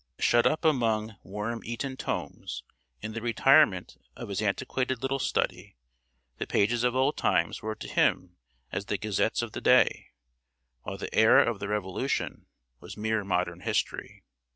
Shut up among worm eaten tomes in the retirement of his antiquated little study, the pages of old times were to him as the gazettes of the day; while the era of the Revolution was mere modern history.